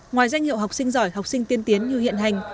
ngoài danh hiệu học sinh giỏi học sinh tiên tiến như hiện hành